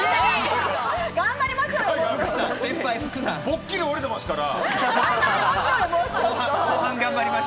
ボッキリ折れてますから。